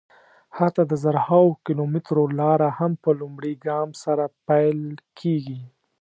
حتی د زرهاوو کیلومترو لاره هم په لومړي ګام سره پیل کېږي.